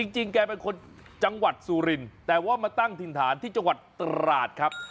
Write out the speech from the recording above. แกเป็นคนจังหวัดสุรินแต่ว่ามาตั้งถิ่นฐานที่จังหวัดตราดครับ